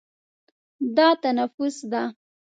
دا تنفس ده.